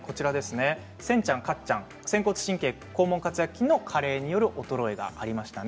センちゃん、カッちゃん仙骨神経、肛門括約筋の加齢による衰えがありましたね。